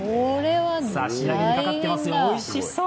仕上げにかかっていますよ、おいしそう。